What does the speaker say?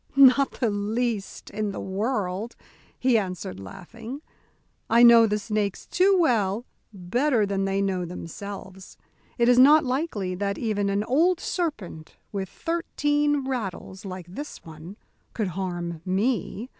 "Not the least in the world," he answered, laughing. "I know the snakes too well, better than they know themselves. It is not likely that even an old serpent with thirteen rattles, like this one, could harm me.